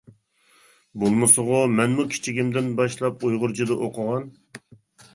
بولمىسىغۇ مەنمۇ كىچىكىمدىن باشلاپ ئۇيغۇرچىدا ئوقۇغان.